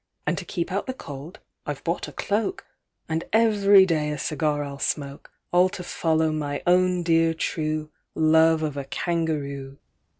And to keep out the cold I've bought a cloak, And every day a cigar I'll smoke, All to follow my own dear true Love of a Kangaroo!"